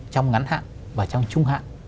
trong ngắn hạn và trong trung hạn